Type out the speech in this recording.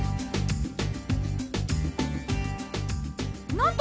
なんと！